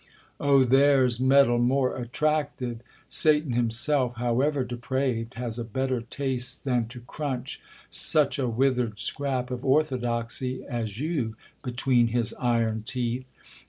—oh, there's metal more attractive! Satan himself, however depraved, has a better taste than to crunch such a withered scrap of orthodoxy as you between his iron teeth.